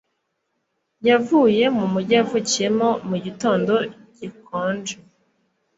Yavuye mu mujyi yavukiyemo mu gitondo gikonje